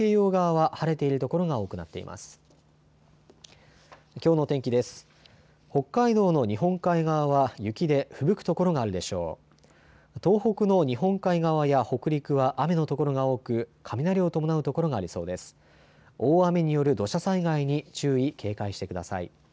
大雨による土砂災害に注意、警戒してください。